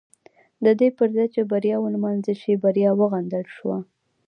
د دې پر ځای چې بریا ونمانځل شي بریا وغندل شوه.